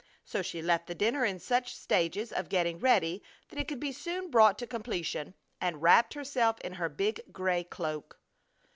So she left the dinner in such stages of getting ready that it could be soon brought to completion, and wrapped herself in her big gray cloak.